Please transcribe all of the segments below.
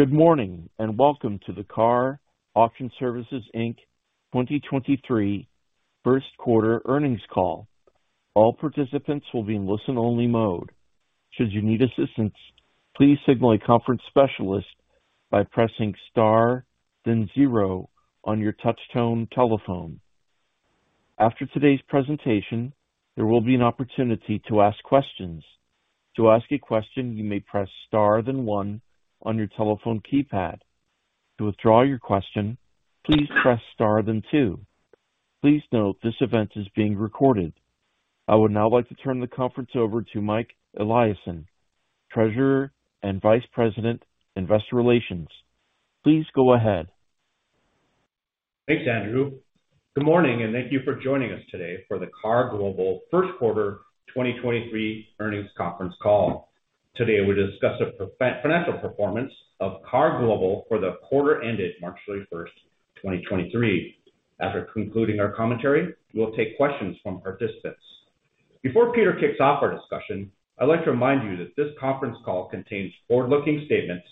Good morning, and welcome to the KAR Auction Services, Inc 2023 first quarter earnings call. All participants will be in listen-only mode. Should you need assistance, please signal a conference specialist by pressing star then zero on your touchtone telephone. After today's presentation, there will be an opportunity to ask questions. To ask a question, you may press star then one on your telephone keypad. To withdraw your question, please press star then two. Please note this event is being recorded. I would now like to turn the conference over to Mike Eliason, Treasurer and Vice President, Investor Relations. Please go ahead. Thanks, Andrew. Good morning. Thank you for joining us today for the KAR Global first quarter 2023 earnings conference call. Today, we'll discuss the financial performance of KAR Global for the quarter ended March 31st, 2023. After concluding our commentary, we will take questions from participants. Before Peter kicks off our discussion, I'd like to remind you that this conference call contains forward-looking statements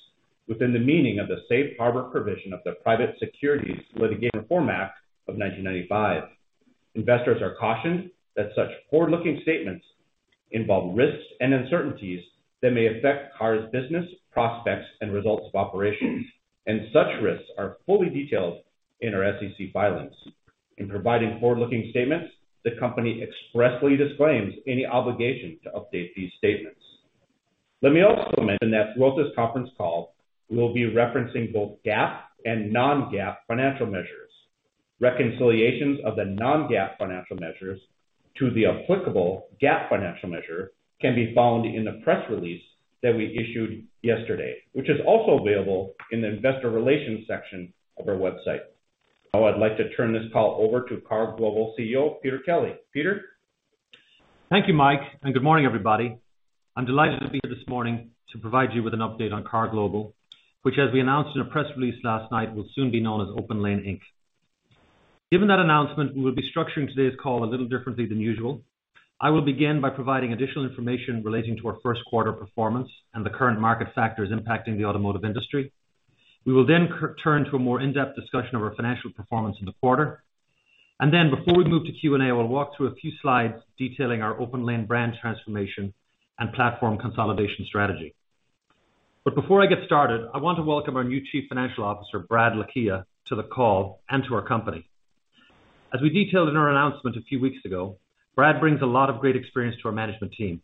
within the meaning of the Safe Harbor provision of the Private Securities Litigation Reform Act of 1995. Investors are cautioned that such forward-looking statements involve risks and uncertainties that may affect KAR's business, prospects and results of operations. Such risks are fully detailed in our SEC filings. In providing forward-looking statements, the company expressly disclaims any obligation to update these statements. Let me also mention that throughout this conference call, we will be referencing both GAAP and non-GAAP financial measures. Reconciliations of the non-GAAP financial measures to the applicable GAAP financial measure can be found in the press release that we issued yesterday, which is also available in the investor relations section of our website. Now I'd like to turn this call over to KAR Global CEO, Peter Kelly. Peter? Thank you, Mike. Good morning, everybody. I'm delighted to be here this morning to provide you with an update on KAR Global, which, as we announced in a press release last night, will soon be known as OPENLANE Inc Given that announcement, we will be structuring today's call a little differently than usual. I will begin by providing additional information relating to our first quarter performance and the current market factors impacting the automotive industry. We will turn to a more in-depth discussion of our financial performance in the quarter. Before we move to Q&A, we'll walk through a few slides detailing our OPENLANE brand transformation and platform consolidation strategy. Before I get started, I want to welcome our new Chief Financial Officer, Brad Lakhia, to the call and to our company. As we detailed in our announcement a few weeks ago, Brad brings a lot of great experience to our management team,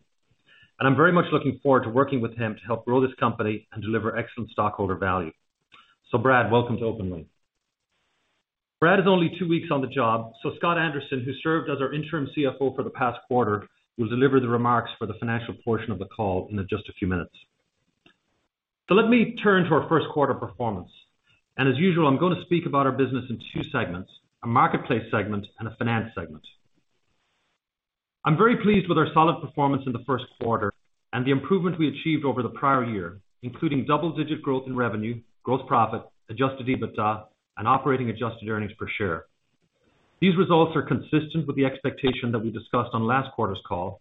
and I'm very much looking forward to working with him to help grow this company and deliver excellent stockholder value. Brad, welcome to OPENLANE. Brad is only two weeks on the job, Scott Anderson, who served as our interim CFO for the past quarter, will deliver the remarks for the financial portion of the call in just a few minutes. Let me turn to our 1st quarter performance. As usual, I'm gonna speak about our business in two segments, a Marketplace segment and a Finance segment. I'm very pleased with our solid performance in the 1st quarter and the improvement we achieved over the prior year, including double-digit growth in revenue, gross profit, adjusted EBITDA, and operating adjusted earnings per share. These results are consistent with the expectation that we discussed on last quarter's call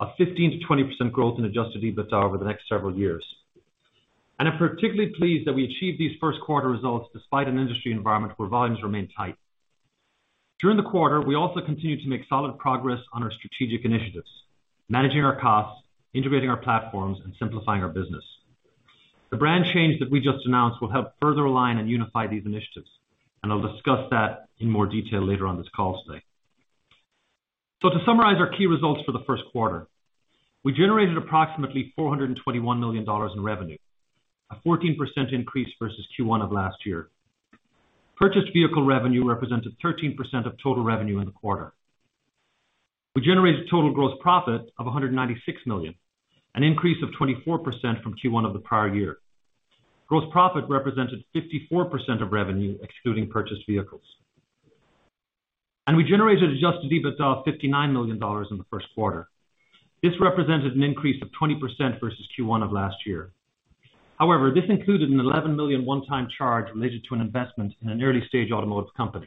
of 15%-20% growth in adjusted EBITDA over the next several years. I'm particularly pleased that we achieved these first quarter results despite an industry environment where volumes remain tight. During the quarter, we also continued to make solid progress on our strategic initiatives, managing our costs, integrating our platforms, and simplifying our business. The brand change that we just announced will help further align and unify these initiatives, and I'll discuss that in more detail later on this call today. To summarize our key results for the first quarter, we generated approximately $421 million in revenue, a 14% increase versus Q1 of last year. Purchased vehicle revenue represented 13% of total revenue in the quarter. We generated total gross profit of $196 million, an increase of 24% from Q1 of the prior year. Gross profit represented 54% of revenue, excluding purchased vehicles. We generated adjusted EBITDA of $59 million in the first quarter. This represented an increase of 20% versus Q1 of last year. However, this included an $11 million one-time charge related to an investment in an early-stage automotive company.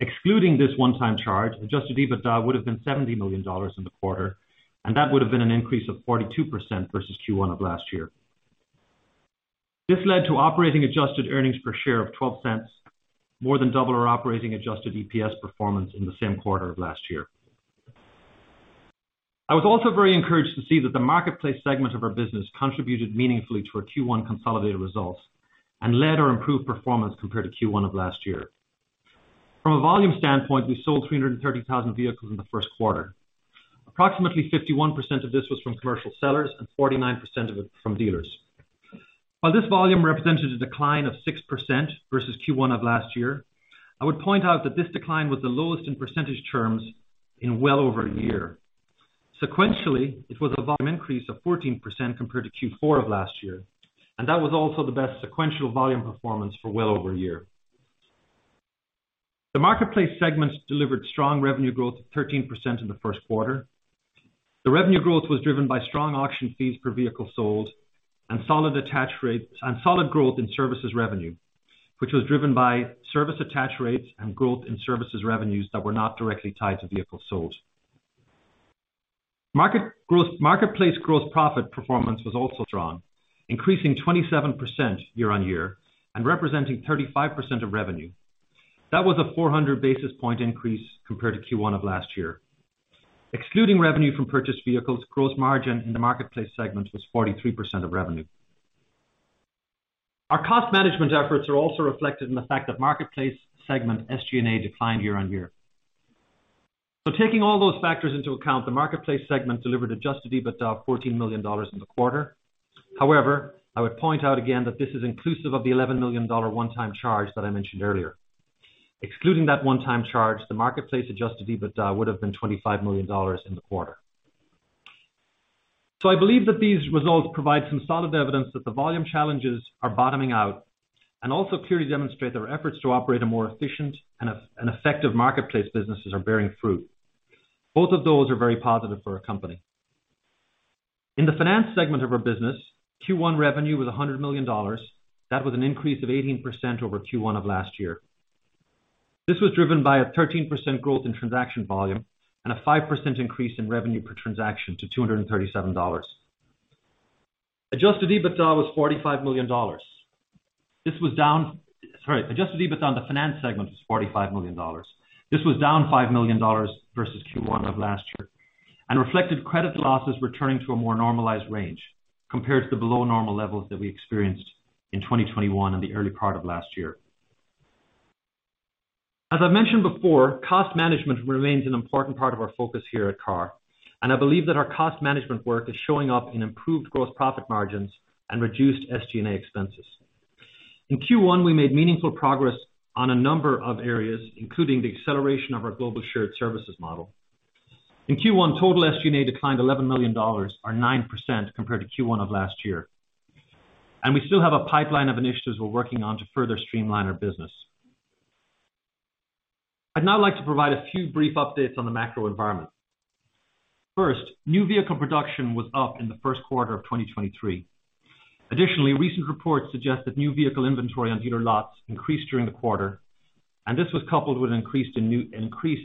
Excluding this one-time charge, adjusted EBITDA would have been $70 million in the quarter, and that would have been an increase of 42% versus Q1 of last year. This led to operating adjusted earnings per share of $0.12, more than double our operating adjusted EPS performance in the same quarter of last year. I was also very encouraged to see that the Marketplace segment of our business contributed meaningfully to our Q1 consolidated results and led our improved performance compared to Q1 of last year. From a volume standpoint, we sold 330,000 vehicles in the first quarter. Approximately 51% of this was from commercial sellers and 49% of it from dealers. While this volume represented a decline of 6% versus Q1 of last year, I would point out that this decline was the lowest in percentage terms in well over a year. Sequentially, it was a volume increase of 14% compared to Q4 of last year, and that was also the best sequential volume performance for well over a year. The Marketplace segments delivered strong revenue growth of 13% in the first quarter. The revenue growth was driven by strong auction fees per vehicle sold and solid attached rates and solid growth in services revenue, which was driven by service attached rates and growth in services revenues that were not directly tied to vehicles sold. Marketplace gross profit performance was also strong, increasing 27% year-on-year and representing 35% of revenue. That was a 400 basis point increase compared to Q1 of last year. Excluding revenue from purchased vehicles, gross margin in the Marketplace segment was 43% of revenue. Our cost management efforts are also reflected in the fact that Marketplace segment SG&A declined year-on-year. Taking all those factors into account, the Marketplace segment delivered adjusted EBITDA of $14 million in the quarter. However, I would point out again that this is inclusive of the $11 million one-time charge that I mentioned earlier. Excluding that one-time charge, the Marketplace adjusted EBITDA would have been $25 million in the quarter. I believe that these results provide some solid evidence that the volume challenges are bottoming out, and also clearly demonstrate that our efforts to operate a more efficient and effective Marketplace businesses are bearing fruit. Both of those are very positive for our company. In the Finance segment of our business, Q1 revenue was $100 million. That was an increase of 18% over Q1 of last year. This was driven by a 13% growth in transaction volume and a 5% increase in revenue per transaction to $237. adjusted EBITDA was $45 million. This was down. Sorry. adjusted EBITDA on the Finance segment was $45 million. This was down $5 million versus Q1 of last year, reflected credit losses returning to a more normalized range compared to the below normal levels that we experienced in 2021 and the early part of last year. As I mentioned before, cost management remains an important part of our focus here at KAR, I believe that our cost management work is showing up in improved gross profit margins and reduced SG&A expenses. In Q1, we made meaningful progress on a number of areas, including the acceleration of our global shared services model. In Q1, total SG&A declined $11 million or 9% compared to Q1 of last year. We still have a pipeline of initiatives we're working on to further streamline our business. I'd now like to provide a few brief updates on the macro environment. First, new vehicle production was up in the first quarter of 2023. Additionally, recent reports suggest that new vehicle inventory on dealer lots increased during the quarter, and this was coupled with increase in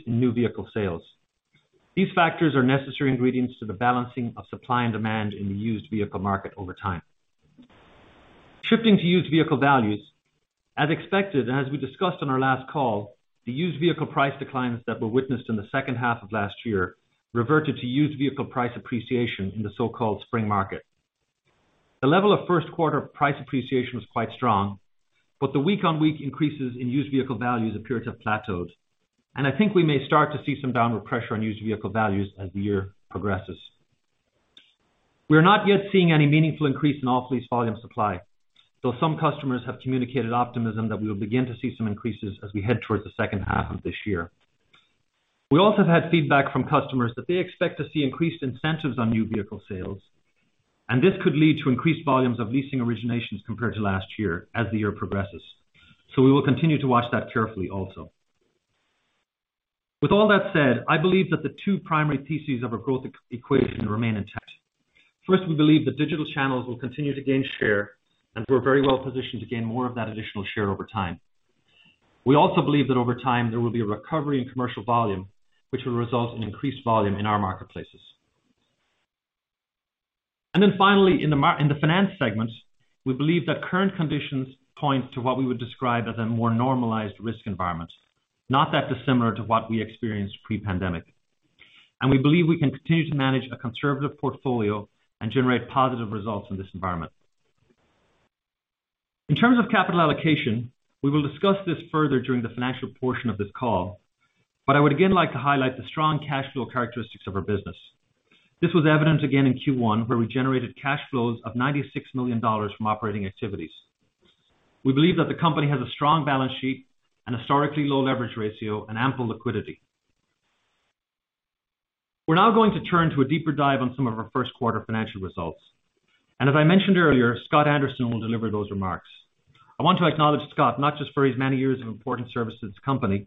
new vehicle sales. These factors are necessary ingredients to the balancing of supply and demand in the used vehicle market over time. Shifting to used vehicle values, as expected, as we discussed on our last call, the used vehicle price declines that were witnessed in the second half of last year reverted to used vehicle price appreciation in the so-called spring market. The level of first quarter price appreciation was quite strong, but the week-on-week increases in used vehicle values appear to have plateaued. I think we may start to see some downward pressure on used vehicle values as the year progresses. We are not yet seeing any meaningful increase in off-lease volume supply, though some customers have communicated optimism that we will begin to see some increases as we head towards the second half of this year. We also have had feedback from customers that they expect to see increased incentives on new vehicle sales, and this could lead to increased volumes of leasing originations compared to last year as the year progresses. We will continue to watch that carefully also. With all that said, I believe that the two primary pieces of our growth equation remain intact. First, we believe that digital channels will continue to gain share, and we're very well positioned to gain more of that additional share over time. We also believe that over time, there will be a recovery in commercial volume, which will result in increased volume in our marketplaces. Finally, in the Finance segment, we believe that current conditions point to what we would describe as a more normalized risk environment, not that dissimilar to what we experienced pre-pandemic. We believe we can continue to manage a conservative portfolio and generate positive results in this environment. In terms of capital allocation, we will discuss this further during the financial portion of this call, but I would again like to highlight the strong cash flow characteristics of our business. This was evident again in Q1, where we generated cash flows of $96 million from operating activities. We believe that the company has a strong balance sheet and historically low leverage ratio and ample liquidity. We're now going to turn to a deeper dive on some of our first quarter financial results. As I mentioned earlier, Scott Anderson will deliver those remarks. I want to acknowledge Scott, not just for his many years of important service to this company,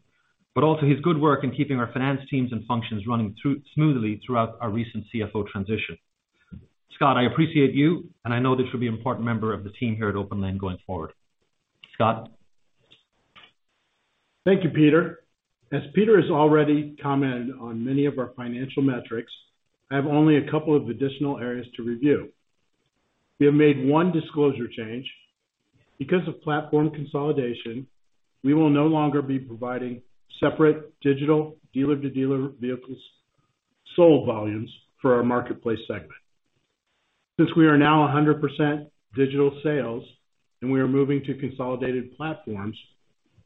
but also his good work in keeping our finance teams and functions running smoothly throughout our recent CFO transition. Scott, I appreciate you, and I know that you'll be an important member of the team here at OPENLANE going forward. Scott? Thank you, Peter. As Peter has already commented on many of our financial metrics, I have only a couple of additional areas to review. We have made one disclosure change. Because of platform consolidation, we will no longer be providing separate digital dealer-to-dealer vehicles sold volumes for our Marketplace segment. Since we are now 100% digital sales and we are moving to consolidated platforms,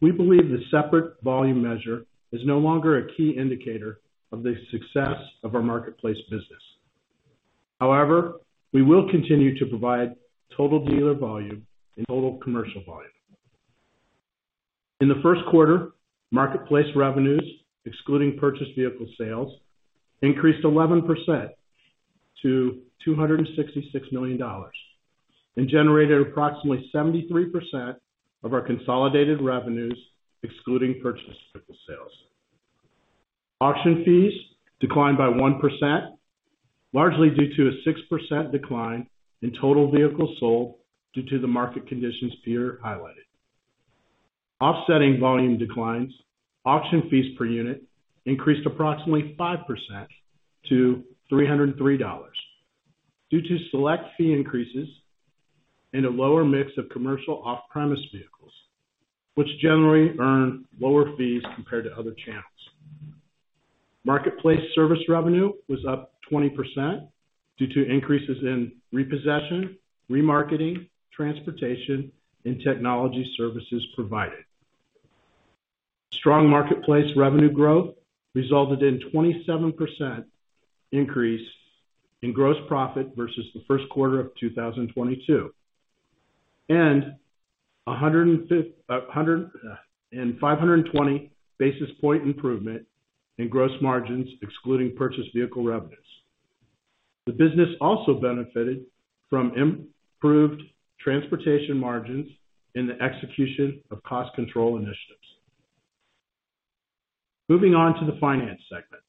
we believe the separate volume measure is no longer a key indicator of the success of our Marketplace business. We will continue to provide total dealer volume and total commercial volume. In the first quarter, Marketplace revenues, excluding purchased vehicle sales, increased 11% to $266 million and generated approximately 73% of our consolidated revenues, excluding purchased vehicle sales. Auction fees declined by 1%, largely due to a 6% decline in total vehicles sold due to the market conditions Peter highlighted. Offsetting volume declines, auction fees per unit increased approximately 5% to $303 due to select fee increases and a lower mix of commercial off-premise vehicles, which generally earn lower fees compared to other channels. Marketplace service revenue was up 20% due to increases in repossession, remarketing, transportation, and technology services provided. Strong Marketplace revenue growth resulted in 27% increase in gross profit versus the first quarter of 2022, and 520 basis point improvement in gross margins excluding purchased vehicle revenues. The business also benefited from improved transportation margins in the execution of cost control initiatives. Moving on to the Finance segment.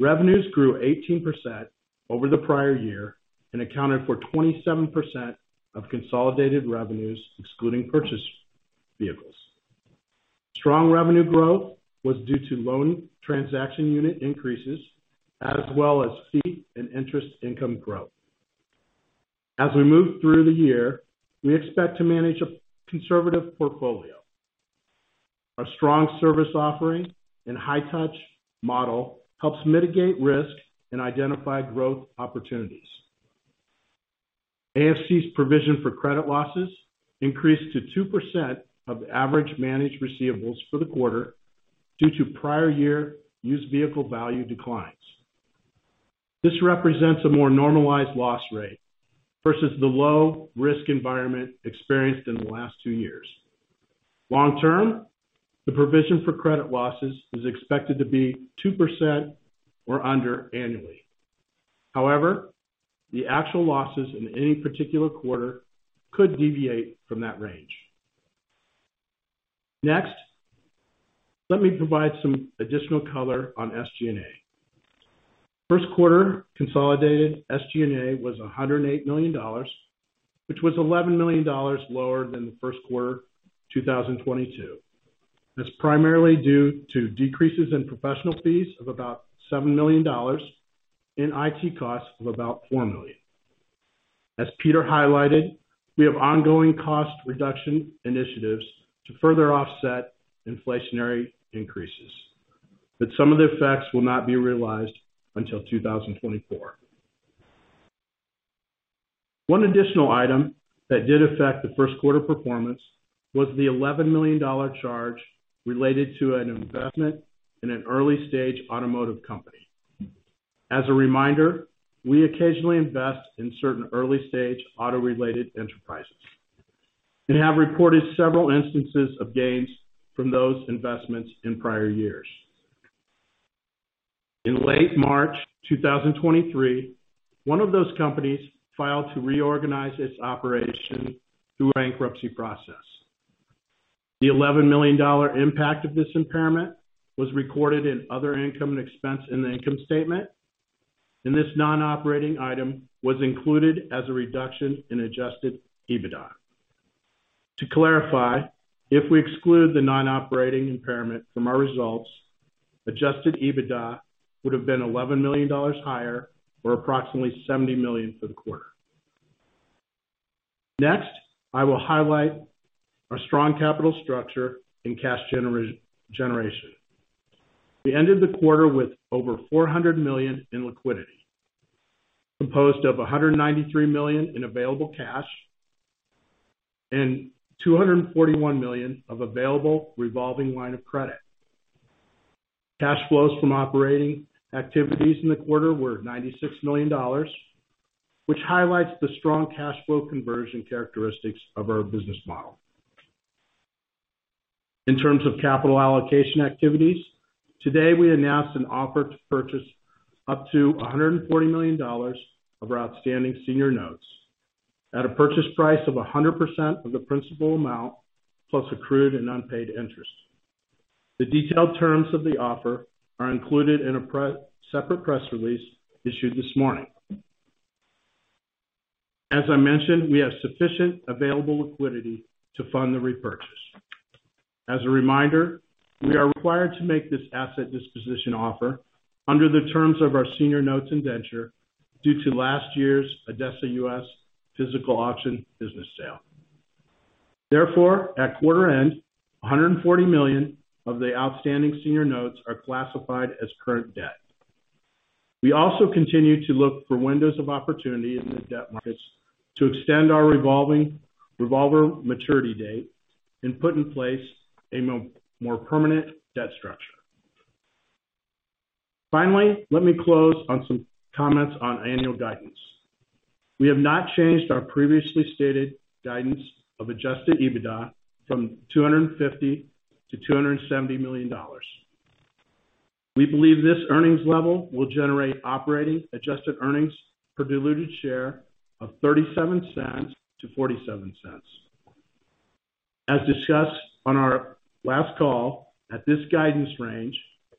Revenues grew 18% over the prior year and accounted for 27% of consolidated revenues excluding purchased vehicles. Strong revenue growth was due to loan transaction unit increases as well as fee and interest income growth. As we move through the year, we expect to manage a conservative portfolio. Our strong service offering and high-touch model helps mitigate risk and identify growth opportunities. AFC's provision for credit losses increased to 2% of average managed receivables for the quarter due to prior year used vehicle value declines. This represents a more normalized loss rate versus the low-risk environment experienced in the last two years. Long term, the provision for credit losses is expected to be 2% or under annually. However, the actual losses in any particular quarter could deviate from that range. Next, let me provide some additional color on SG&A. First quarter consolidated SG&A was $108 million, which was $11 million lower than the first quarter 2022. That's primarily due to decreases in professional fees of about $7 million and IT costs of about $4 million. As Peter highlighted, we have ongoing cost reduction initiatives to further offset inflationary increases, but some of the effects will not be realized until 2024. One additional item that did affect the first quarter performance was the $11 million charge related to an investment in an early-stage automotive company. As a reminder, we occasionally invest in certain early-stage auto-related enterprises, and have reported several instances of gains from those investments in prior years. In late March 2023, one of those companies filed to reorganize its operation through a bankruptcy process. The $11 million impact of this impairment was recorded in other income and expense in the income statement, this non-operating item was included as a reduction in adjusted EBITDA. To clarify, if we exclude the non-operating impairment from our results, adjusted EBITDA would have been $11 million higher or approximately $70 million for the quarter. I will highlight our strong capital structure and cash generation. We ended the quarter with over $400 million in liquidity, composed of $193 million in available cash and $241 million of available revolving line of credit. Cash flows from operating activities in the quarter were $96 million, which highlights the strong cash flow conversion characteristics of our business model. In terms of capital allocation activities, today we announced an offer to purchase up to $140 million of our outstanding Senior Notes at a purchase price of 100% of the principal amount plus accrued and unpaid interest. The detailed terms of the offer are included in a separate press release issued this morning. As I mentioned, we have sufficient available liquidity to fund the repurchase. As a reminder, we are required to make this Asset Disposition Offer under the terms of our Senior Notes indenture due to last year's ADESA U.S. physical auction business sale. Therefore, at quarter end, $140 million of the outstanding Senior Notes are classified as current debt. We also continue to look for windows of opportunity in the debt markets to extend our revolver maturity date and put in place a more permanent debt structure. Finally, let me close on some comments on annual guidance. We have not changed our previously stated guidance of adjusted EBITDA from $250 million-$270 million. We believe this earnings level will generate operating adjusted earnings per diluted share of $0.37-$0.47. Discussed on our last call, at this guidance range,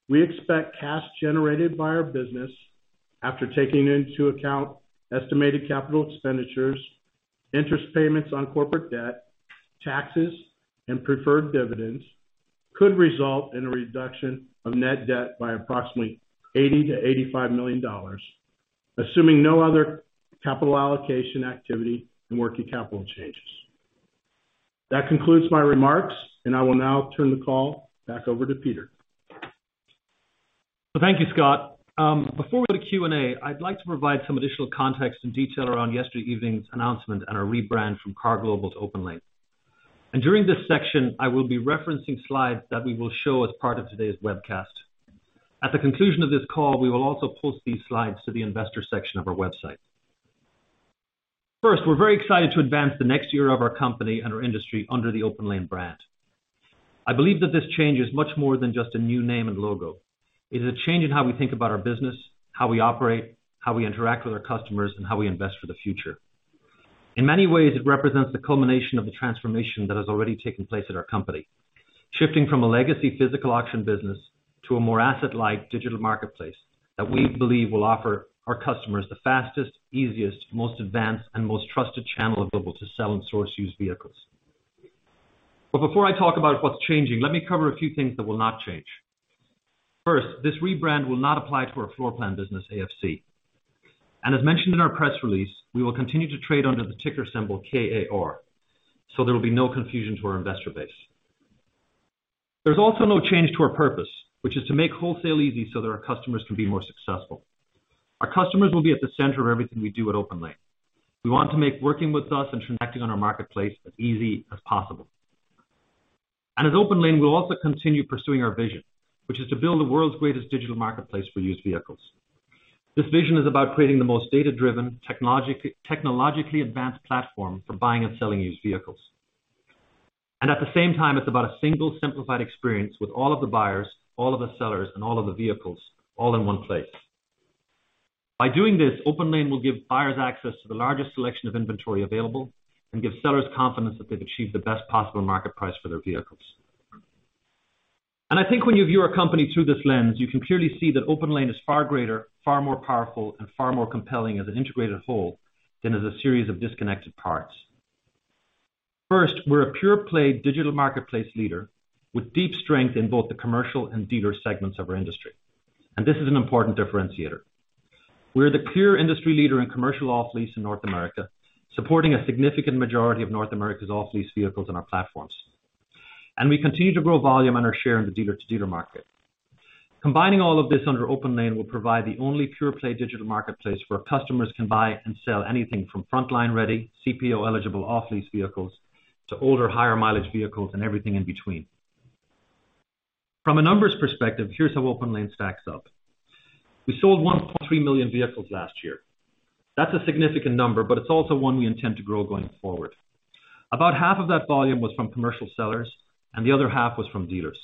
we expect cash generated by our business, after taking into account estimated capital expenditures, interest payments on corporate debt, taxes, and preferred dividends could result in a reduction of net debt by approximately $80 million-$85 million, assuming no other capital allocation activity and working capital changes. That concludes my remarks, and I will now turn the call back over to Peter. Thank you, Scott. Before we go to Q&A, I'd like to provide some additional context and detail around yesterday evening's announcement and our rebrand from KAR Global to OPENLANE. During this section, I will be referencing slides that we will show as part of today's webcast. At the conclusion of this call, we will also post these slides to the investor section of our website. First, we're very excited to advance the next year of our company and our industry under the OPENLANE brand. I believe that this change is much more than just a new name and logo. It is a change in how we think about our business, how we operate, how we interact with our customers, and how we invest for the future. In many ways, it represents the culmination of the transformation that has already taken place at our company, shifting from a legacy physical auction business to a more asset-like digital marketplace that we believe will offer our customers the fastest, easiest, most advanced and most trusted channel available to sell and source used vehicles. Before I talk about what's changing, let me cover a few things that will not change. First, this rebrand will not apply to our floor plan business, AFC. As mentioned in our press release, we will continue to trade under the ticker symbol KAR, so there will be no confusion to our investor base. There's also no change to our purpose, which is to make wholesale easy so that our customers can be more successful. Our customers will be at the center of everything we do at OPENLANE. We want to make working with us and transacting on our Marketplace as easy as possible. At OPENLANE, we'll also continue pursuing our vision, which is to build the world's greatest digital marketplace for used vehicles. This vision is about creating the most data-driven, technologically advanced platform for buying and selling used vehicles. At the same time, it's about a single simplified experience with all of the buyers, all of the sellers, and all of the vehicles all in one place. By doing this, OPENLANE will give buyers access to the largest selection of inventory available and give sellers confidence that they've achieved the best possible market price for their vehicles. I think when you view our company through this lens, you can clearly see that OPENLANE is far greater, far more powerful, and far more compelling as an integrated whole than as a series of disconnected parts. First, we're a pure-play digital marketplace leader with deep strength in both the commercial and dealer segments of our industry. This is an important differentiator. We're the clear industry leader in commercial off-lease in North America, supporting a significant majority of North America's off-lease vehicles on our platforms. We continue to grow volume and our share in the dealer-to-dealer market. Combining all of this under OPENLANE will provide the only pure-play digital marketplace where customers can buy and sell anything from frontline ready, CPO-eligible off-lease vehicles to older, higher mileage vehicles and everything in between. From a numbers perspective, here's how OPENLANE stacks up. We sold 1.3 million vehicles last year. That's a significant number, but it's also one we intend to grow going forward. About half of that volume was from commercial sellers and the other half was from dealers.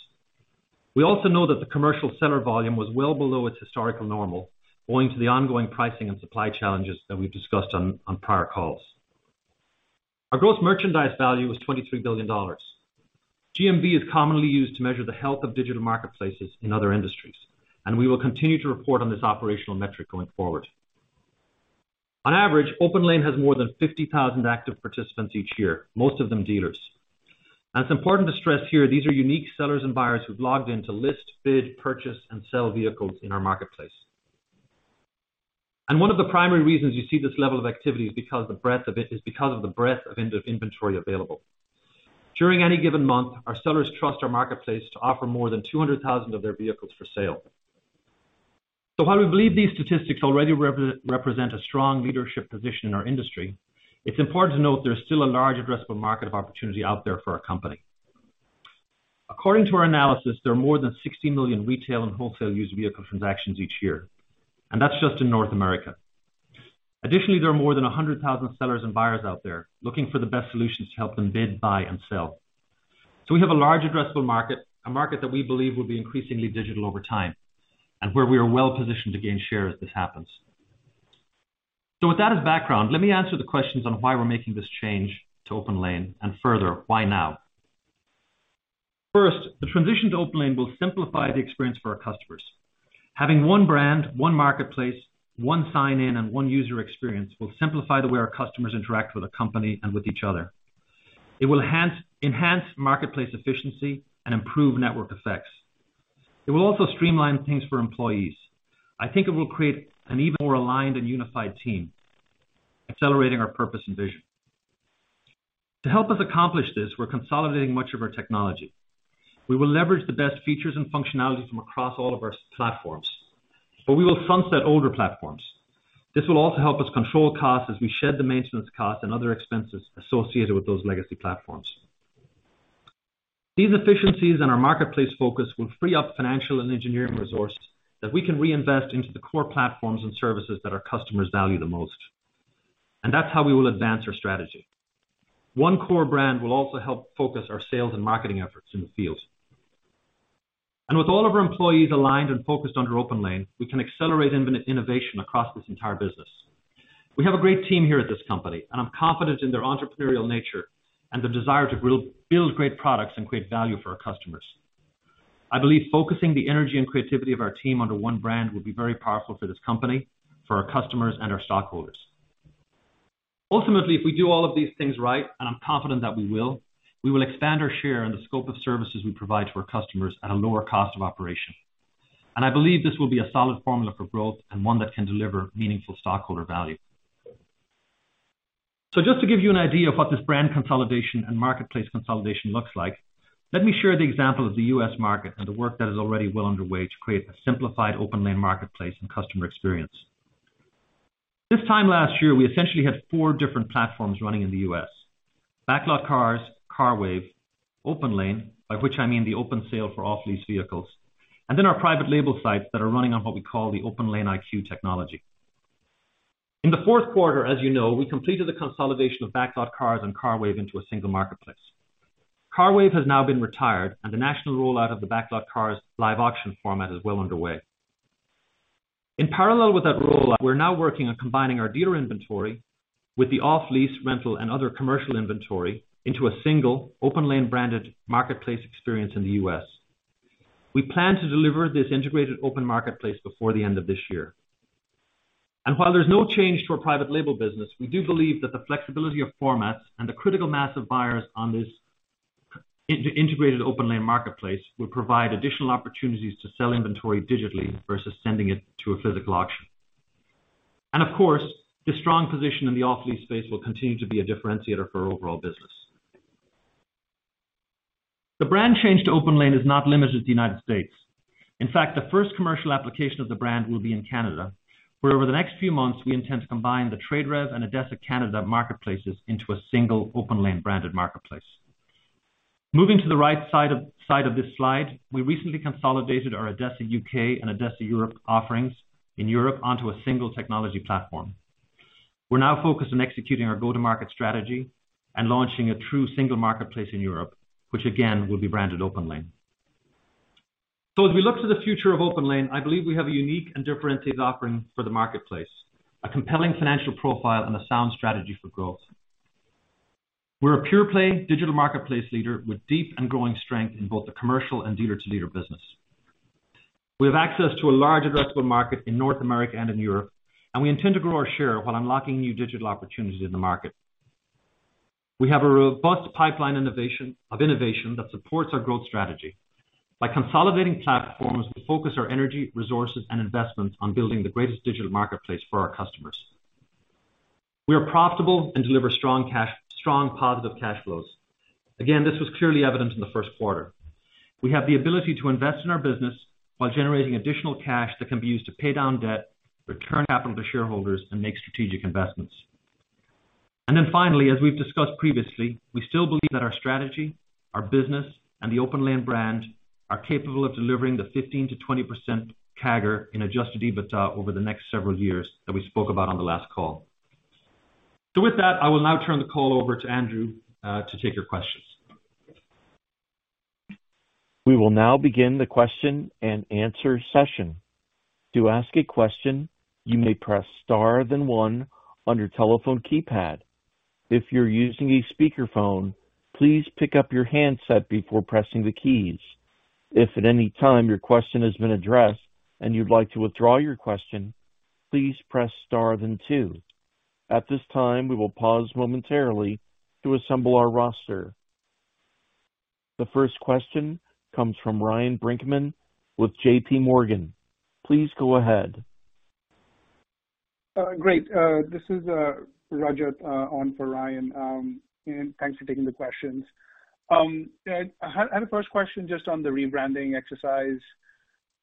We also know that the commercial seller volume was well below its historical normal, owing to the ongoing pricing and supply challenges that we've discussed on prior calls. Our Gross Merchandise Value was $23 billion. GMV is commonly used to measure the health of digital marketplaces in other industries, and we will continue to report on this operational metric going forward. On average, OPENLANE has more than 50,000 active participants each year, most of them dealers. It's important to stress here, these are unique sellers and buyers who've logged in to list, bid, purchase, and sell vehicles in our Marketplace. One of the primary reasons you see this level of activity is because of the breadth of inventory available. During any given month, our sellers trust our Marketplace to offer more than 200,000 of their vehicles for sale. While we believe these statistics already represent a strong leadership position in our industry, it's important to note there's still a large addressable market of opportunity out there for our company. According to our analysis, there are more than 60 million retail and wholesale used vehicle transactions each year, and that's just in North America. Additionally, there are more than 100,000 sellers and buyers out there looking for the best solutions to help them bid, buy and sell. We have a large addressable market, a market that we believe will be increasingly digital over time, and where we are well-positioned to gain share as this happens. With that as background, let me answer the questions on why we're making this change to OPENLANE and further, why now. First, the transition to OPENLANE will simplify the experience for our customers. Having one brand, one marketplace, one sign-in, and one user experience will simplify the way our customers interact with the company and with each other. It will enhance Marketplace efficiency and improve network effects. It will also streamline things for employees. I think it will create an even more aligned and unified team, accelerating our purpose and vision. To help us accomplish this, we're consolidating much of our technology. We will leverage the best features and functionalities from across all of our platforms, but we will sunset older platforms. This will also help us control costs as we shed the maintenance costs and other expenses associated with those legacy platforms. These efficiencies in our Marketplace focus will free up financial and engineering resource that we can reinvest into the core platforms and services that our customers value the most. That's how we will advance our strategy. One core brand will also help focus our sales and marketing efforts in the field. With all of our employees aligned and focused under OPENLANE, we can accelerate innovation across this entire business. We have a great team here at this company, and I'm confident in their entrepreneurial nature and the desire to build great products and create value for our customers. I believe focusing the energy and creativity of our team under one brand will be very powerful for this company, for our customers, and our stockholders. Ultimately, if we do all of these things right, and I'm confident that we will, we will expand our share in the scope of services we provide to our customers at a lower cost of operation. I believe this will be a solid formula for growth and one that can deliver meaningful stockholder value. Just to give you an idea of what this brand consolidation and marketplace consolidation looks like, let me share the example of the U.S. market and the work that is already well underway to create a simplified OPENLANE marketplace and customer experience. This time last year, we essentially had four different platforms running in the U.S. BacklotCars, CARWAVE, OPENLANE, by which I mean the open sale for off-lease vehicles, and then our private label sites that are running on what we call the OPENLANE iQ technology. In the fourth quarter, as you know, we completed the consolidation of BacklotCars and CARWAVE into a single marketplace. CARWAVE has now been retired and the national rollout of the BacklotCars live auction format is well underway. In parallel with that rollout, we're now working on combining our dealer inventory with the off-lease rental and other commercial inventory into a single OPENLANE branded marketplace experience in the U.S. We plan to deliver this integrated open marketplace before the end of this year. While there's no change to our private label business, we do believe that the flexibility of formats and the critical mass of buyers on this integrated OPENLANE marketplace will provide additional opportunities to sell inventory digitally versus sending it to a physical auction. Of course, the strong position in the off-lease space will continue to be a differentiator for our overall business. The brand change to OPENLANE is not limited to the United States. The first commercial application of the brand will be in Canada, where over the next few months, we intend to combine the TradeRev and ADESA Canada marketplaces into a single OPENLANE branded marketplace. Moving to the right side of this slide, we recently consolidated our ADESA UK and ADESA Europe offerings in Europe onto a single technology platform. We're now focused on executing our go-to-market strategy and launching a true single marketplace in Europe, which again will be branded OPENLANE. As we look to the future of OPENLANE, I believe we have a unique and differentiated offering for the marketplace, a compelling financial profile and a sound strategy for growth. We're a pure play digital marketplace leader with deep and growing strength in both the commercial and dealer-to-dealer business. We have access to a large addressable market in North America and in Europe, we intend to grow our share while unlocking new digital opportunities in the market. We have a robust pipeline of innovation that supports our growth strategy by consolidating platforms to focus our energy, resources, and investments on building the greatest digital marketplace for our customers. We are profitable and deliver strong positive cash flows. This was clearly evident in the first quarter. We have the ability to invest in our business while generating additional cash that can be used to pay down debt, return capital to shareholders, and make strategic investments. Finally, as we've discussed previously, we still believe that our strategy, our business, and the OPENLANE brand are capable of delivering the 15%-20% CAGR in adjusted EBITDA over the next several years that we spoke about on the last call. With that, I will now turn the call over to Andrew to take your questions. We will now begin the question-and-answer session. To ask a question, you may press star then one on your telephone keypad. If you're using a speakerphone, please pick up your handset before pressing the keys. If at any time your question has been addressed and you'd like to withdraw your question, please press star then two. At this time, we will pause momentarily to assemble our roster. The first question comes from Ryan Brinkman with J.P. Morgan. Please go ahead. Great. This is Rajat on for Ryan. Thanks for taking the questions. I have a first question just on the rebranding exercise.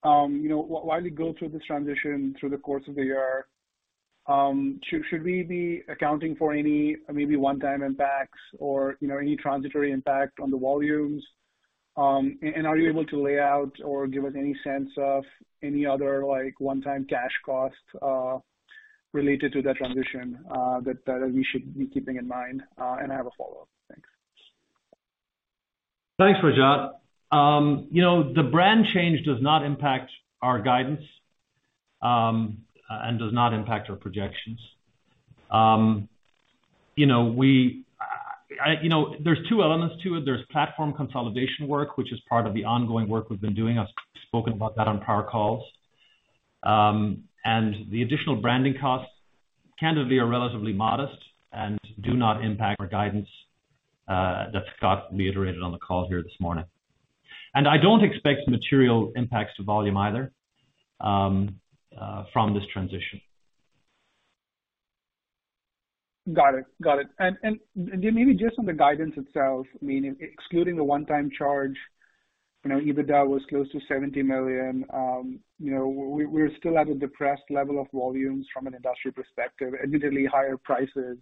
You know, while you go through this transition through the course of the year, should we be accounting for any, maybe one-time impacts or, you know, any transitory impact on the volumes? Are you able to lay out or give us any sense of any other, like, one-time cash costs related to that transition that we should be keeping in mind? I have a follow-up. Thanks. Thanks, Rajat. You know, the brand change does not impact our guidance and does not impact our projections. You know, there's two elements to it. There's platform consolidation work, which is part of the ongoing work we've been doing. I've spoken about that on prior calls. The additional branding costs, candidly, are relatively modest and do not impact our guidance that Scott reiterated on the call here this morning. I don't expect material impacts to volume either from this transition. Got it. Got it. Maybe just on the guidance itself, I mean, excluding the one-time charge, you know, EBITDA was close to $70 million. You know, we're still at a depressed level of volumes from an industry perspective, admittedly higher prices.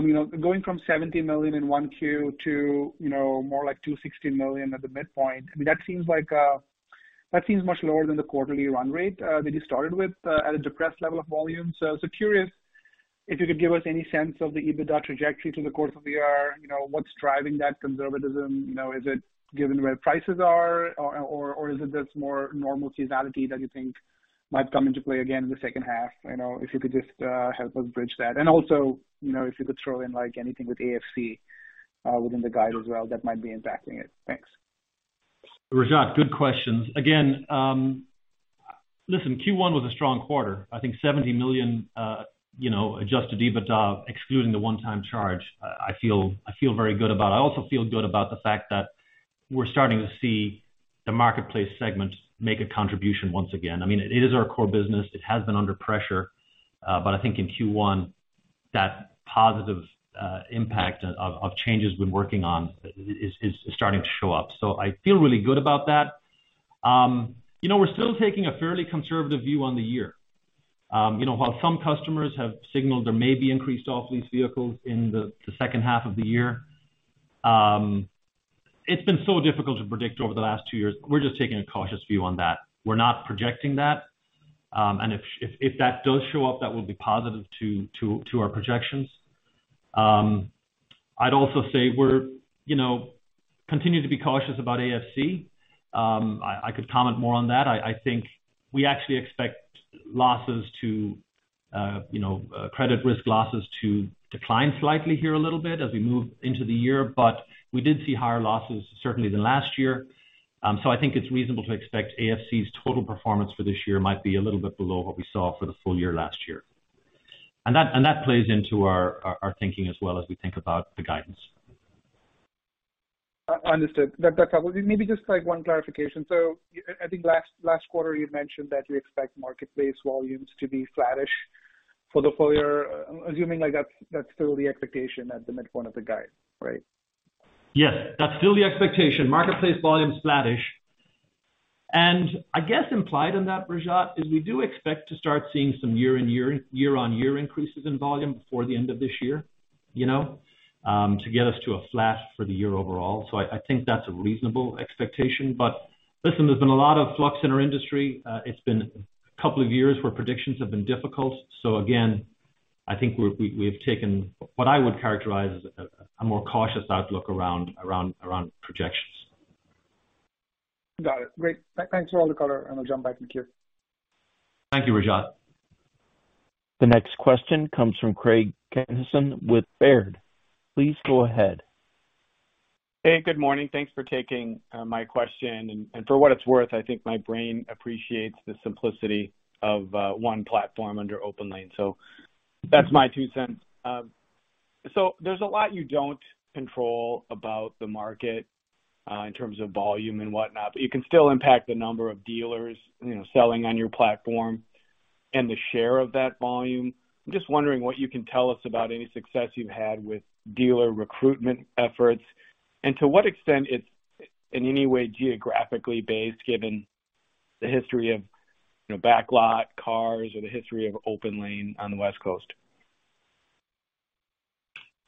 You know, going from $70 million in 1Q to, you know, more like $260 million at the midpoint, I mean, that seems like that seems much lower than the quarterly run rate that you started with at a depressed level of volume. So curious if you could give us any sense of the EBITDA trajectory through the course of the year. You know, what's driving that conservatism? You know, is it given where prices are or is it this more normal seasonality that you think might come into play again in the second half? You know, if you could just help us bridge that. Also, you know, if you could throw in like anything with AFC within the guide as well that might be impacting it. Thanks. Rajat, good questions. Listen, Q1 was a strong quarter. I think $70 million, you know, adjusted EBITDA excluding the one-time charge, I feel very good about. I also feel good about the fact that we're starting to see the Marketplace segment make a contribution once again. I mean, it is our core business. It has been under pressure, but I think in Q1, that positive impact of changes we're working on is starting to show up. I feel really good about that. You know, we're still taking a fairly conservative view on the year. You know, while some customers have signaled there may be increased off-lease vehicles in the second half of the year, it's been so difficult to predict over the last two years. We're just taking a cautious view on that. We're not projecting that. If that does show up, that will be positive to our projections. I'd also say we're, you know, continue to be cautious about AFC. I could comment more on that. I think we actually expect losses to, you know, credit risk losses to decline slightly here a little bit as we move into the year, but we did see higher losses certainly than last year. I think it's reasonable to expect AFC's total performance for this year might be a little bit below what we saw for the full year last year. That plays into our thinking as well as we think about the guidance. Understood. That's helpful. Maybe just like one clarification. I think last quarter you mentioned that you expect Marketplace volumes to be flattish for the full year. I'm assuming like that's still the expectation at the midpoint of the guide, right? Yes. That's still the expectation. Marketplace volume's flattish. I guess implied in that, Rajat, is we do expect to start seeing some year-on-year increases in volume before the end of this year, you know, to get us to a flat for the year overall. I think that's a reasonable expectation. Listen, there's been a lot of flux in our industry. It's been a couple of years where predictions have been difficult. Again, I think we've taken what I would characterize as a more cautious outlook around projections. Got it. Great. Thanks for all the color. I'll jump back in queue. Thank you, Rajat. The next question comes from Craig Kennison with Baird. Please go ahead. Hey, good morning. Thanks for taking my question. For what it's worth, I think my brain appreciates the simplicity of 1 platform under OPENLANE. That's my two cents. There's a lot you don't control about the market in terms of volume and whatnot, but you can still impact the number of dealers, you know, selling on your platform and the share of that volume. I'm just wondering what you can tell us about any success you've had with dealer recruitment efforts and to what extent it's in any way geographically based, given the history of, you know, BacklotCars or the history of OPENLANE on the West Coast.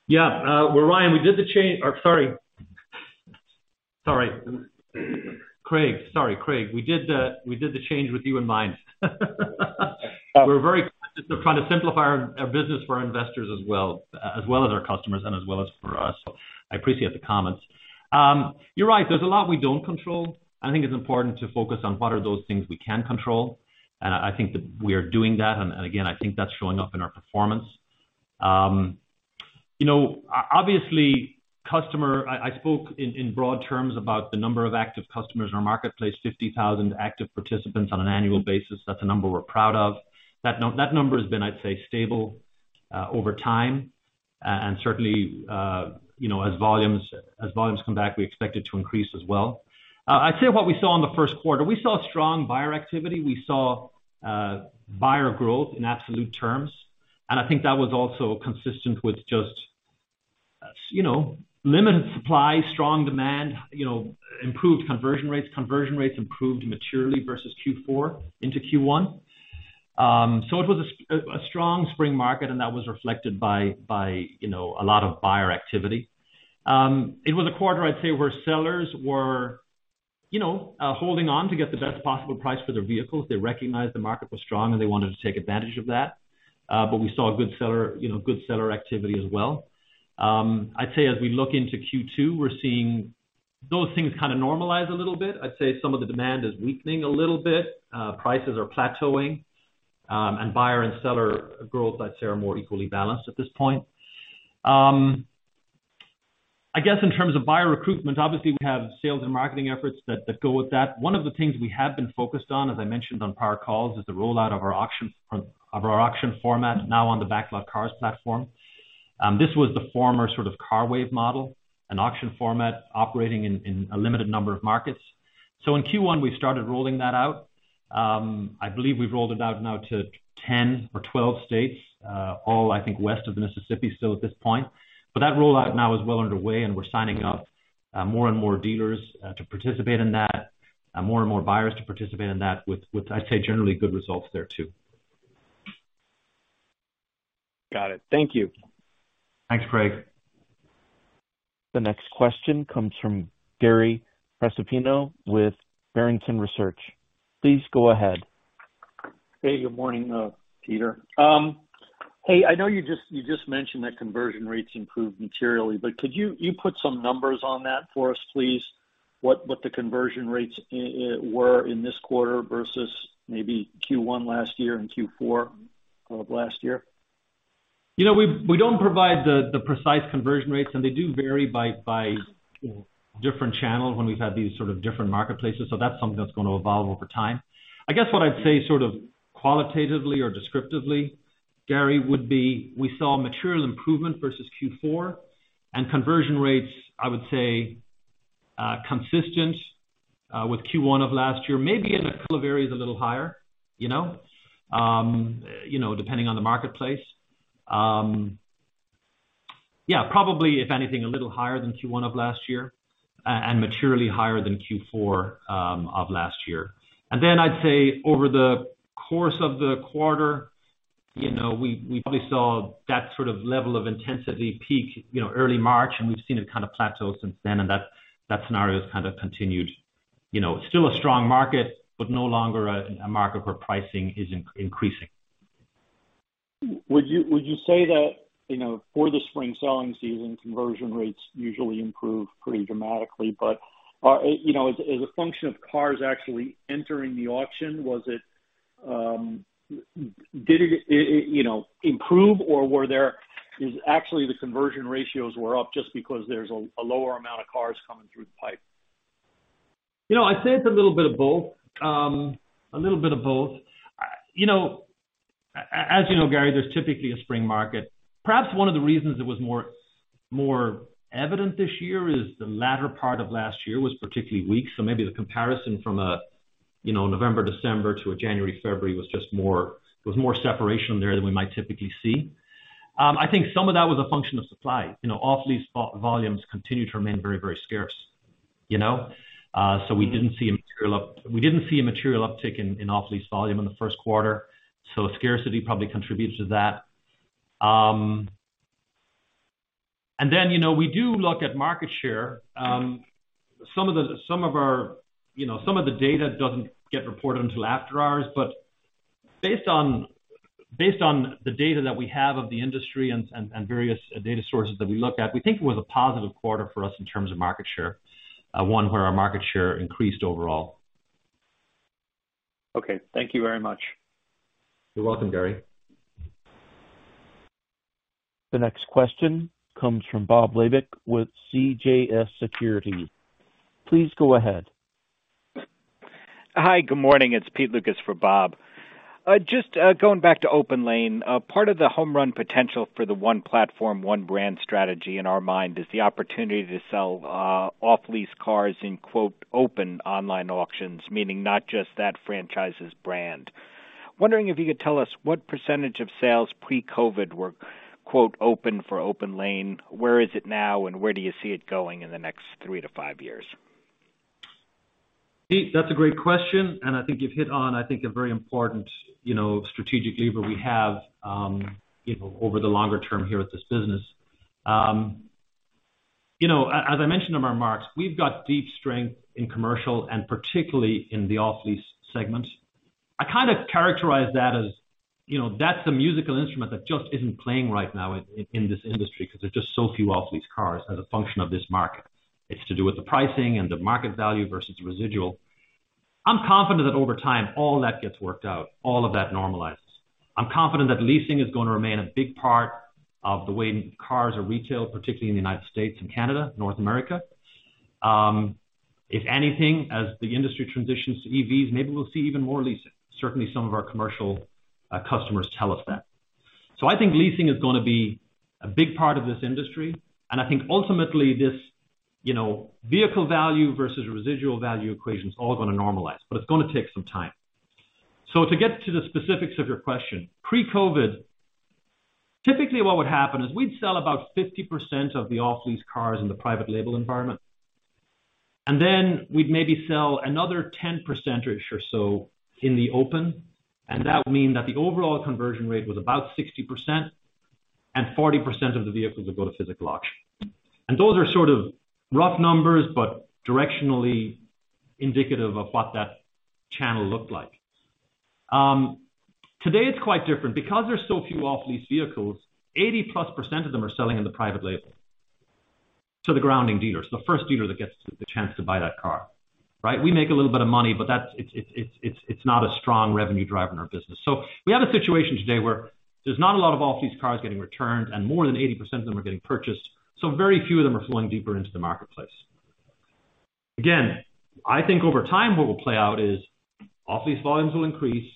Well, Ryan, we did the change. Sorry, Craig. We did the change with you in mind. We're just trying to simplify our business for our investors as well as our customers and as well as for us. I appreciate the comments. You're right. There's a lot we don't control. I think it's important to focus on what are those things we can control, and I think that we are doing that. And again, I think that's showing up in our performance. You know, obviously, customer. I spoke in broad terms about the number of active customers in our Marketplace, 50,000 active participants on an annual basis. That's a number we're proud of. That number has been, I'd say, stable over time. Certainly, you know, as volumes come back, we expect it to increase as well. I'd say what we saw in the first quarter, we saw strong buyer activity. We saw buyer growth in absolute terms, and I think that was also consistent with just, you know, limited supply, strong demand, you know, improved conversion rates. Conversion rates improved materially versus Q4 into Q1. It was a strong spring market, and that was reflected by, you know, a lot of buyer activity. It was a quarter, I'd say, where sellers were, you know, holding on to get the best possible price for their vehicles. They recognized the market was strong, and they wanted to take advantage of that. We saw a good seller, you know, good seller activity as well. I'd say as we look into Q2, we're seeing those things kind of normalize a little bit. I'd say some of the demand is weakening a little bit. Prices are plateauing, and buyer and seller growth, I'd say, are more equally balanced at this point. I guess in terms of buyer recruitment, obviously we have sales and marketing efforts that go with that. One of the things we have been focused on, as I mentioned on prior calls, is the rollout of our auction format now on the BacklotCars platform. This was the former sort of CARWAVE model, an auction format operating in a limited number of markets. In Q1, we started rolling that out. I believe we've rolled it out now to 10 or 12 states, all I think west of the Mississippi still at this point. That rollout now is well underway, and we're signing up, more and more dealers to participate in that, more and more buyers to participate in that with, I'd say, generally good results there too. Got it. Thank you. Thanks, Craig. The next question comes from Gary Prestopino with Barrington Research. Please go ahead. Hey, good morning, Peter. Hey, I know you just mentioned that conversion rates improved materially, but could you put some numbers on that for us, please? What the conversion rates were in this quarter versus maybe Q1 last year and Q4 of last year? You know, we don't provide the precise conversion rates. They do vary by different channels when we've had these sort of different marketplaces. That's something that's going to evolve over time. I guess what I'd say sort of qualitatively or descriptively, Gary, would be we saw material improvement versus Q4. Conversion rates, I would say, consistent with Q1 of last year, maybe in a couple of areas, a little higher, you know. You know, depending on the marketplace. Yeah, probably, if anything, a little higher than Q1 of last year and materially higher than Q4 of last year. I'd say over the course of the quarter, you know, we probably saw that sort of level of intensity peak, you know, early March, and we've seen it kind of plateau since then. That scenario has kind of continued. You know, it's still a strong market, but no longer a market where pricing is increasing. Would you say that, you know, for the spring selling season, conversion rates usually improve pretty dramatically. You know, as a function of cars actually entering the auction, was it, you know, improve or were there is actually the conversion ratios were up just because there's a lower amount of cars coming through the pipe? You know, I'd say it's a little bit of both. A little bit of both. You know, as you know, Gary, there's typically a spring market. Perhaps one of the reasons it was more, more evident this year is the latter part of last year was particularly weak. Maybe the comparison from a, you know, November, December to a January, February was just more separation there than we might typically see. I think some of that was a function of supply. You know, off-lease volumes continued to remain very, very scarce, you know. We didn't see a material uptick in off-lease volume in the first quarter. Scarcity probably contributes to that. You know, we do look at market share. Some of our, you know, some of the data doesn't get reported until after hours. Based on the data that we have of the industry and various data sources that we look at, we think it was a positive quarter for us in terms of market share, one where our market share increased overall. Thank you very much. You're welcome, Gary. The next question comes from Bob Labick with CJS Securities. Please go ahead. Hi. Good morning. It's Peter Lukas for Bob. just going back to OPENLANE. part of the home run potential for the one platform, one brand strategy in our mind is the opportunity to sell off-lease cars in quote open online auctions, meaning not just that franchise's brand. Wondering if you could tell us what % of sales pre-COVID were quote open for OPENLANE. Where is it now, and where do you see it going in the next three to five years? Pete, that's a great question. I think you've hit on, a very important, you know, strategic lever we have, you know, over the longer term here with this business. You know, as I mentioned in my remarks, we've got deep strength in commercial and particularly in the off-lease segment. I kind of characterize that as, you know, that's a musical instrument that just isn't playing right now in this industry because there's just so few off-lease cars as a function of this market. It's to do with the pricing and the market value versus residual. I'm confident that over time, all that gets worked out, all of that normalizes. I'm confident that leasing is going to remain a big part of the way cars are retailed, particularly in the United States and Canada, North America. If anything, as the industry transitions to EVs, maybe we'll see even more leasing. Certainly, some of our commercial customers tell us that. I think leasing is going to be a big part of this industry, and I think ultimately this, you know, vehicle value versus residual value equation is all going to normalize, but it's going to take some time. To get to the specifics of your question, pre-COVID, typically what would happen is we'd sell about 50% of the off-lease cars in the private label environment, and then we'd maybe sell another 10% or so in the open. That would mean that the overall conversion rate was about 60% and 40% of the vehicles would go to physical auction. Those are sort of rough numbers, but directionally indicative of what that channel looked like. Today it's quite different because there's so few off-lease vehicles, 80%+ of them are selling in the private label to the grounding dealers, the first dealer that gets the chance to buy that car, right? We make a little bit of money, but that's not a strong revenue driver in our business. We have a situation today where there's not a lot of off-lease cars getting returned, and more than 80% of them are getting purchased. Very few of them are flowing deeper into the marketplace. Again, I think over time what will play out is off-lease volumes will increase.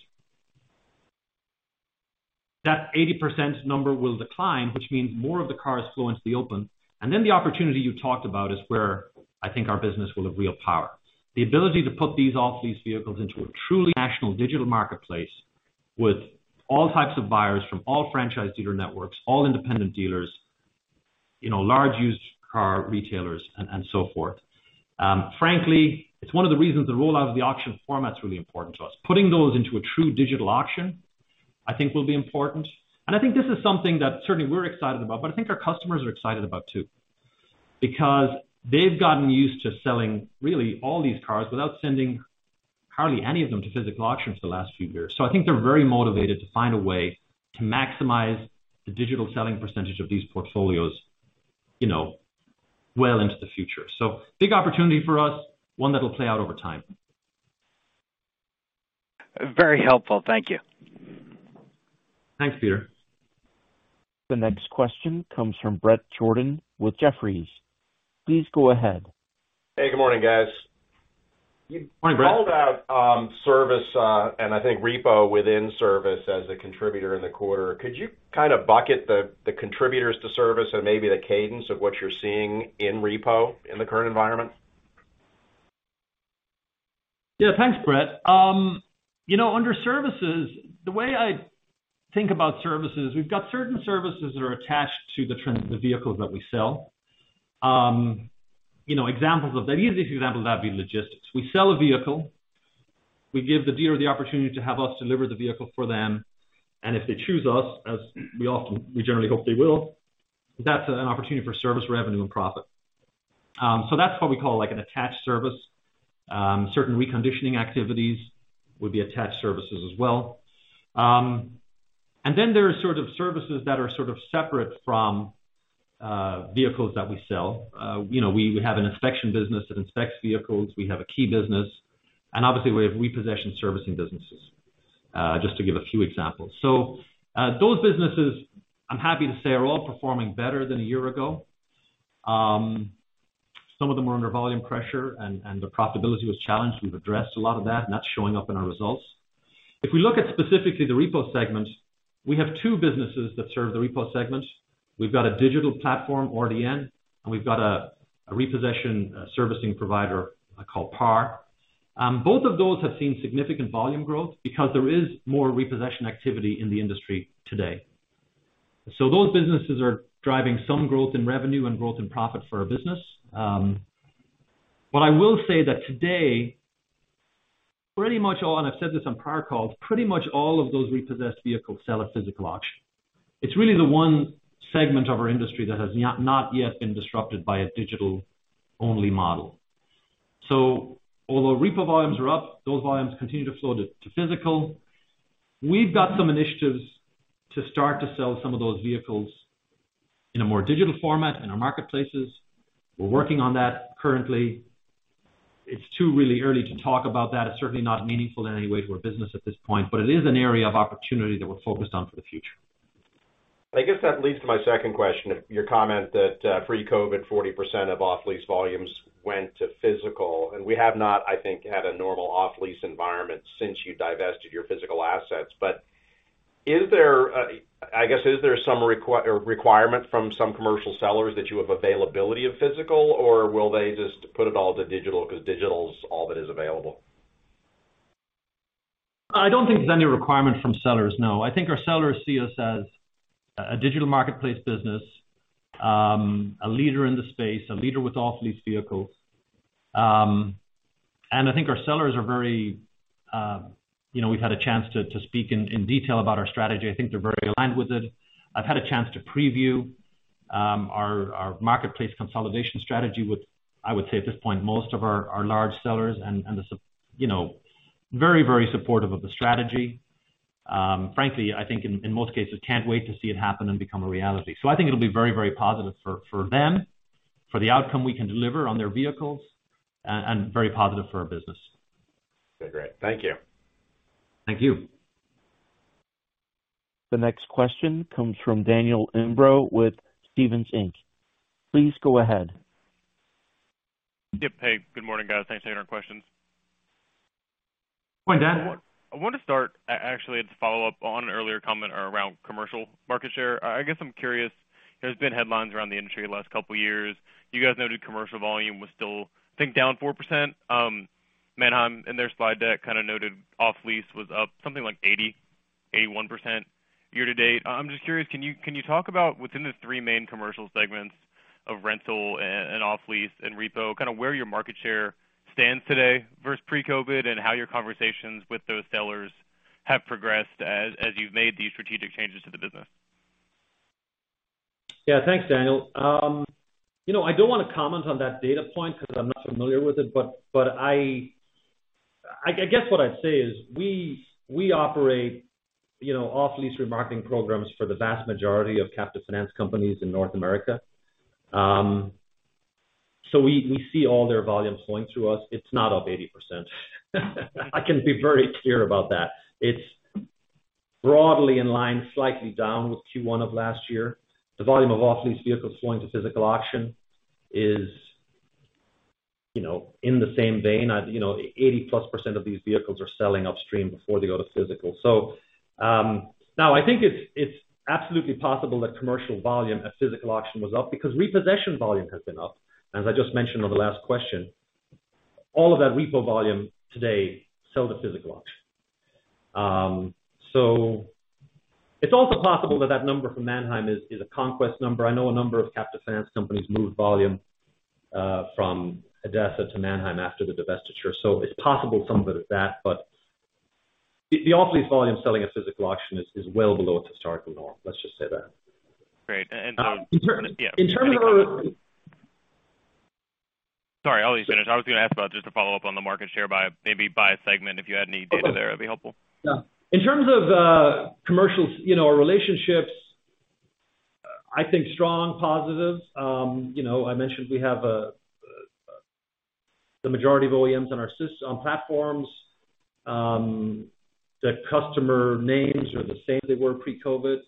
That 80% number will decline, which means more of the cars flow into the open. Then the opportunity you talked about is where I think our business will have real power. The ability to put these off-lease vehicles into a truly national digital marketplace with all types of buyers from all franchise dealer networks, all independent dealers, you know, large used car retailers and so forth. Frankly, it's one of the reasons the rollout of the auction format is really important to us. Putting those into a true digital auction, I think will be important. I think this is something that certainly we're excited about, but I think our customers are excited about too. Because they've gotten used to selling really all these cars without sending hardly any of them to physical auctions the last few years. I think they're very motivated to find a way to maximize the digital selling percentage of these portfolios, you know, well into the future. Big opportunity for us, one that'll play out over time. Very helpful. Thank you. Thanks, Peter. The next question comes from Bret Jordan with Jefferies. Please go ahead. Hey, good morning, guys. Good morning, Bret. You called out, service, and I think repo within service as a contributor in the quarter. Could you kind of bucket the contributors to service and maybe the cadence of what you're seeing in repo in the current environment? Yeah. Thanks, Bret. you know, under services, the way I think about services, we've got certain services that are attached to the vehicles that we sell. you know, examples of that. The easiest example of that would be logistics. We sell a vehicle, we give the dealer the opportunity to have us deliver the vehicle for them, and if they choose us, as we often, we generally hope they will, that's an opportunity for service revenue and profit. That's what we call, like, an attached service. Certain reconditioning activities would be attached services as well. Then there are sort of services that are sort of separate from vehicles that we sell. you know, we have an inspection business that inspects vehicles. We have a key business. Obviously we have repossession servicing businesses, just to give a few examples. Those businesses, I'm happy to say, are all performing better than a year ago. Some of them are under volume pressure and the profitability was challenged. We've addressed a lot of that. That's showing up in our results. If we look at specifically the repo segment, we have two businesses that serve the repo segment. We've got a digital platform, RDN, and we've got a repossession servicing provider called PAR. Both of those have seen significant volume growth because there is more repossession activity in the industry today. Those businesses are driving some growth in revenue and growth in profit for our business. What I will say that today, pretty much all, and I've said this on prior calls, pretty much all of those repossessed vehicles sell at physical auction. It's really the one segment of our industry that has not yet been disrupted by a digital-only model. Although repo volumes are up, those volumes continue to flow to physical. We've got some initiatives to start to sell some of those vehicles in a more digital format in our marketplaces. We're working on that currently. It's too really early to talk about that. It's certainly not meaningful in any way to our business at this point, but it is an area of opportunity that we're focused on for the future. I guess that leads to my second question. Your comment that, pre-COVID, 40% of off-lease volumes went to physical, and we have not, I think, had a normal off-lease environment since you divested your physical assets. Is there, I guess, is there some requirement from some commercial sellers that you have availability of physical, or will they just put it all to digital because digital is all that is available? I don't think there's any requirement from sellers. No. I think our sellers see us as a digital marketplace business, a leader in the space, a leader with off-lease vehicles. I think our sellers are very. You know, we've had a chance to speak in detail about our strategy. I think they're very aligned with it. I've had a chance to preview our Marketplace consolidation strategy with, I would say at this point, most of our large sellers and you know, very, very supportive of the strategy. Frankly, I think in most cases, can't wait to see it happen and become a reality. I think it'll be very, very positive for them, for the outcome we can deliver on their vehicles and very positive for our business. Okay, great. Thank you. Thank you. The next question comes from Daniel Imbro with Stephens Inc. Please go ahead. Yep. Hey, good morning, guys. Thanks for taking our questions. Good morning, Dan. I wanted to start, actually, to follow up on an earlier comment around commercial market share. I guess I'm curious. There's been headlines around the industry the last couple of years. You guys noted commercial volume was still, I think, down 4%. Manheim in their slide deck kinda noted off-lease was up something like 80%, 81% year to date. I'm just curious, can you talk about within the three main commercial segments of rental and off-lease and repo, kinda where your market share stands today versus pre-COVID, and how your conversations with those sellers have progressed as you've made these strategic changes to the business? Yeah. Thanks, Daniel. you know, I don't wanna comment on that data point because I'm not familiar with it, but I guess what I'd say is we operate, you know, off-lease remarketing programs for the vast majority of captive finance companies in North America. We see all their volumes flowing through us. It's not up 80%. I can be very clear about that. It's broadly in line, slightly down with Q1 of last year. The volume of off-lease vehicles flowing to physical auction is, you know, in the same vein. you know, 80%+ of these vehicles are selling upstream before they go to physical. Now I think it's absolutely possible that commercial volume at physical auction was up because repossession volume has been up. As I just mentioned on the last question, all of that repo volume today sell to physical auction. It's also possible that that number from Manheim is a conquest number. I know a number of captive finance companies moved volume, from ADESA to Manheim after the divestiture. It's possible some of it is that. The off-lease volume selling at physical auction is well below its historical norm. Let's just say that. Great. Sorry. I'll let you finish. I was gonna ask about just a follow-up on the market share by maybe by segment, if you had any data there, that'd be helpful. Yeah. In terms of commercial, you know, our relationships, I think strong positive. You know, I mentioned we have the majority of OEMs on our platforms. The customer names are the same they were pre-COVID.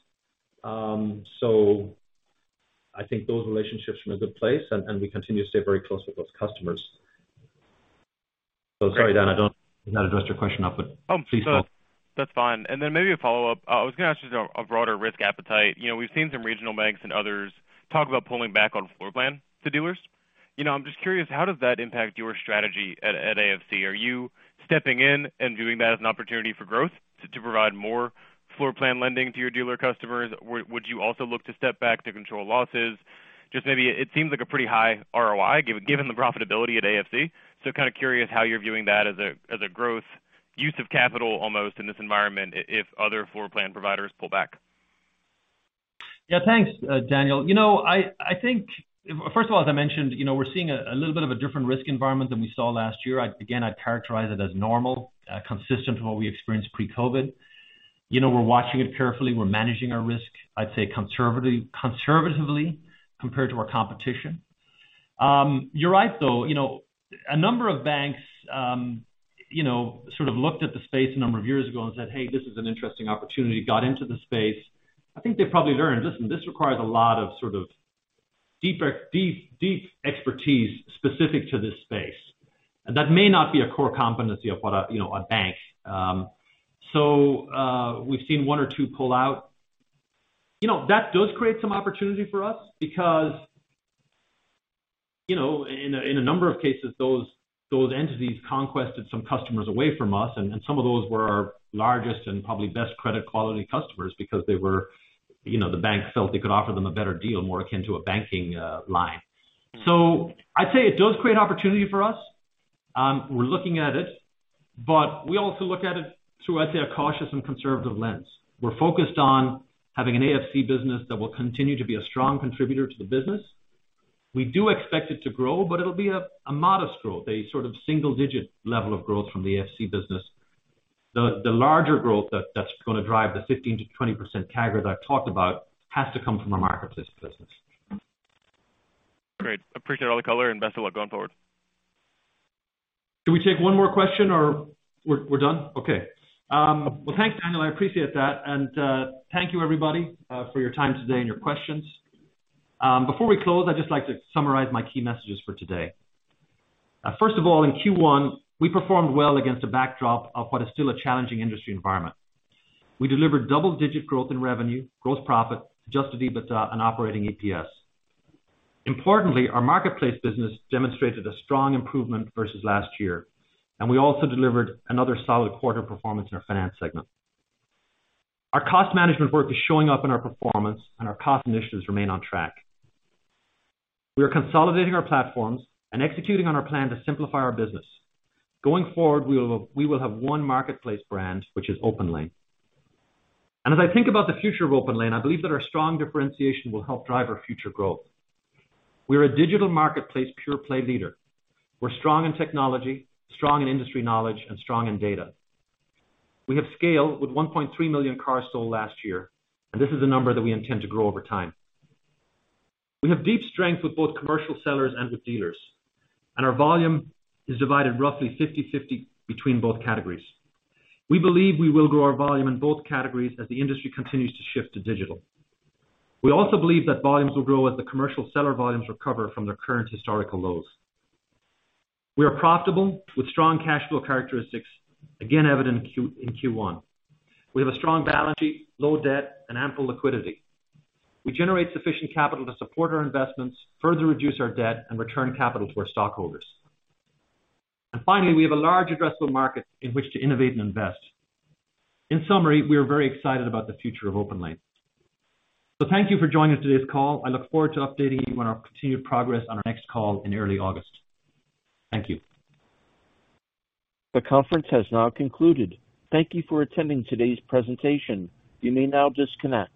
I think those relationships are in a good place, and we continue to stay very close with those customers. Sorry, Dan, I did not address your question up, but please go. That's fine. Maybe a follow-up. I was gonna ask you a broader risk appetite. You know, we've seen some regional banks and others talk about pulling back on floor plan to dealers. You know, I'm just curious, how does that impact your strategy at AFC? Are you stepping in and viewing that as an opportunity for growth to provide more floor plan lending to your dealer customers? Would you also look to step back to control losses? Just maybe it seems like a pretty high ROI given the profitability at AFC. Kinda curious how you're viewing that as a growth use of capital almost in this environment if other floor plan providers pull back. Yeah. Thanks, Daniel. You know, I think, first of all, as I mentioned, you know, we're seeing a little bit of a different risk environment than we saw last year. Again, I'd characterize it as normal, consistent to what we experienced pre-COVID. You know, we're watching it carefully. We're managing our risk, I'd say conservatively compared to our competition. You're right, though. You know, a number of banks, you know, sort of looked at the space a number of years ago and said, "Hey, this is an interesting opportunity." Got into the space. I think they probably learned, listen, this requires a lot of sort of deep expertise specific to this space. That may not be a core competency of what a bank. We've seen one or two pull out. You know, that does create some opportunity for us because, you know, in a number of cases, those entities conquested some customers away from us, and some of those were our largest and probably best credit quality customers because they were, you know, the bank felt they could offer them a better deal, more akin to a banking line. I'd say it does create opportunity for us. We're looking at it, but we also look at it through, I'd say, a cautious and conservative lens. We're focused on having an AFC business that will continue to be a strong contributor to the business. We do expect it to grow, but it'll be a modest growth, a sort of single-digit level of growth from the AFC business. The larger growth that's gonna drive the 15%-20% CAGR that I've talked about has to come from the Marketplace business. Great. Appreciate all the color and best of luck going forward. Can we take one more question or we're done? Okay. Well, thanks, Daniel. I appreciate that. Thank you everybody for your time today and your questions. Before we close, I'd just like to summarize my key messages for today. First of all, in Q1, we performed well against a backdrop of what is still a challenging industry environment. We delivered double-digit growth in revenue, gross profit, adjusted EBITDA, and operating EPS. Importantly, our Marketplace business demonstrated a strong improvement versus last year, and we also delivered another solid quarter performance in our Finance segment. Our cost management work is showing up in our performance, and our cost initiatives remain on track. We are consolidating our platforms and executing on our plan to simplify our business. Going forward, we will have one Marketplace brand, which is OPENLANE. As I think about the future of OPENLANE, I believe that our strong differentiation will help drive our future growth. We're a digital marketplace, pure play leader. We're strong in technology, strong in industry knowledge, and strong in data. We have scale with 1.3 million cars sold last year, and this is a number that we intend to grow over time. We have deep strength with both commercial sellers and with dealers, and our volume is divided roughly 50/50 between both categories. We believe we will grow our volume in both categories as the industry continues to shift to digital. We also believe that volumes will grow as the commercial seller volumes recover from their current historical lows. We are profitable with strong cash flow characteristics, again evident in Q1. We have a strong balance sheet, low debt, and ample liquidity. We generate sufficient capital to support our investments, further reduce our debt, and return capital to our stockholders. Finally, we have a large addressable market in which to innovate and invest. In summary, we are very excited about the future of OPENLANE. Thank you for joining us today's call. I look forward to updating you on our continued progress on our next call in early August. Thank you. The conference has now concluded. Thank you for attending today's presentation. You may now disconnect.